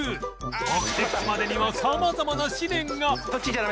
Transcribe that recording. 目的地までには様々な試練が！